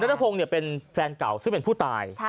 นพงศ์เป็นแฟนเก่าซึ่งเป็นผู้ตาย